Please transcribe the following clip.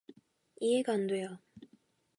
이해가 안 돼요.